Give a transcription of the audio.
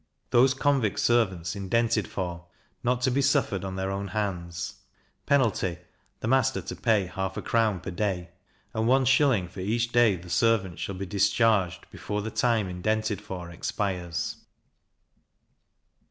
Those convict servants indented for, not to be suffered on their own hands; penalty, the master to pay half a crown per day, and one shilling for each day the servant shall be discharged before the time indented for expires.